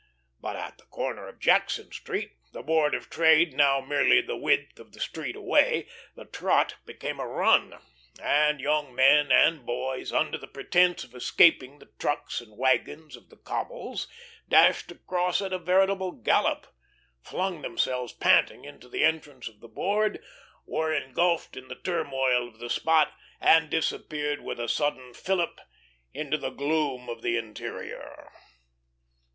But at the corner of Jackson Street, the Board of Trade now merely the width of the street away, the trot became a run, and young men and boys, under the pretence of escaping the trucks and wagons of the cobbles, dashed across at a veritable gallop, flung themselves panting into the entrance of the Board, were engulfed in the turmoil of the spot, and disappeared with a sudden fillip into the gloom of the interior.